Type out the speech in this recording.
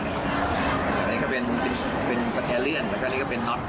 อันนี้ก็เป็นประแจเลื่อนอันนี้ก็เป็นน็อต